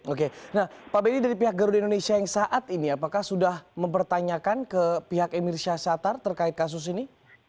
oke nah pak benny dari pihak garuda indonesia yang saat ini apakah sudah mempertanyakan ke pihak emir syahsyatar terkait kasus ini